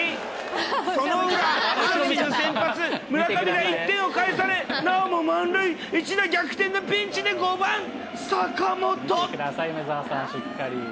その裏、阪神の先発、村上が１点を返され、なおも満塁、一打逆転のピンチで５番坂本。